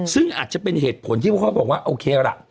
ซึ่งอาจจะเป็นเหตุผลที่พวกเขาบอกว่าโอเคล่ะ